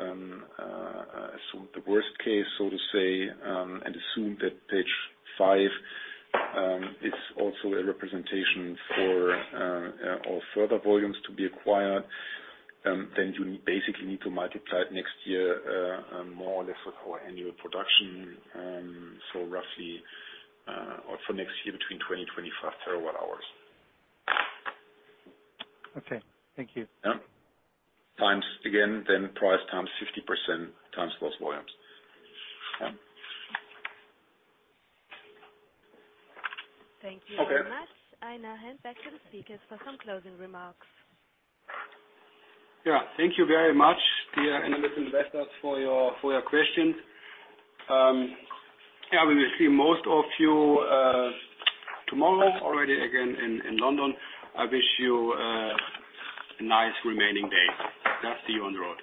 assume the worst case, so to say, and assume that page five is also a representation for all further volumes to be acquired, then you basically need to multiply it next year more or less with our annual production. Roughly, for next year between 20, 25 terawatt hours. Okay. Thank you. Yeah. Times again, then price times 50% times those volumes. Yeah. Thank you very much. I now hand back to the speakers for some closing remarks. Yeah. Thank you very much, dear analysts, investors for your questions. Yeah, we will see most of you tomorrow already again in London. I wish you a nice remaining day. See you on the road.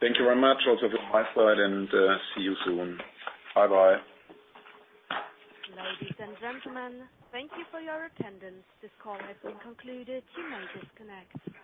Thank you very much also from my side, and see you soon. Bye-bye. Ladies and gentlemen, thank you for your attendance. This call has been concluded. You may disconnect.